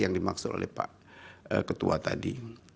yang dimaksud oleh pak ketua tadi